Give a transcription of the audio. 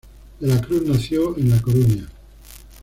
De la Cruz nació en La Coruña.